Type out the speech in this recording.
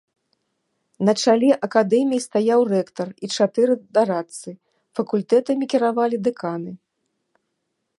На чале акадэміі стаяў рэктар і чатыры дарадцы, факультэтамі кіравалі дэканы.